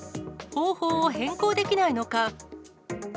方法を変更できないのか。